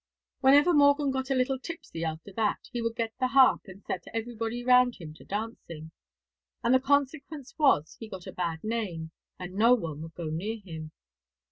Whenever Morgan got a little tipsy after that, he would get the harp and set everybody round him to dancing; and the consequence was he got a bad name, and no one would go near him.